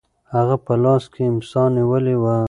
هغه په لاس کې امسا نیولې وه.